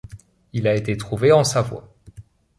Il a été trouvé en Savoie.